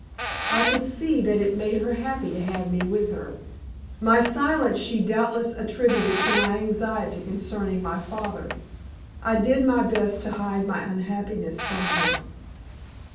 I could see that it made her happy to have me with her. My silence she doubtless attributed to my anxiety concerning my father. I did my best to hide my unhappiness from her.